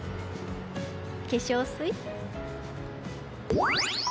化粧水？